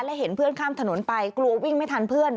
และเห็นเพื่อนข้ามถนนไปกลัววิ่งไม่ทันเพื่อน